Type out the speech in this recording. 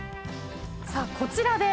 さあこちらで。